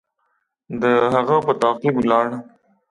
د هغه په تعقیب ولاړ.